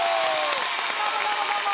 どうもどうもどうも！